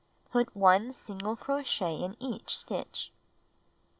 Put 1 single crochet in each stitch.